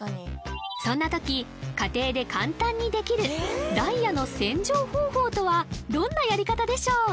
そんなとき家庭で簡単にできるダイヤの洗浄方法とはどんなやり方でしょう？